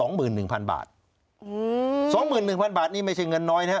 หมื่นหนึ่งพันบาทอืมสองหมื่นหนึ่งพันบาทนี่ไม่ใช่เงินน้อยนะฮะ